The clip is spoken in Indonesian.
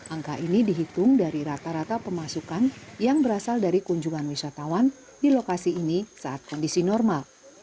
angka ini dihitung dari rata rata pemasukan yang berasal dari kunjungan wisatawan di lokasi ini saat kondisi normal